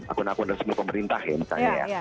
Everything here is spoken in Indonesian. akun akun resmi pemerintah ya misalnya ya